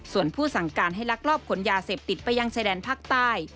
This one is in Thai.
ส่วนผู้สั่งการให้ลักลอบขนยาเสพติดไปยังชายแดนภาคใต้